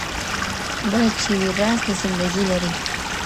بله چي وي راز د زندګۍ لري